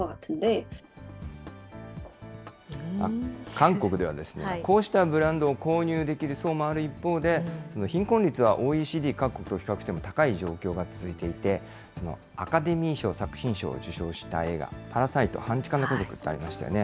韓国ではですね、こうしたブランドを購入できる層もある一方で、貧困率はＯＥＣＤ各国と比較しても、高い状況が続いていて、そのアカデミー賞作品賞を受賞した映画、パラサイト・半地下の家族ってありましたよね。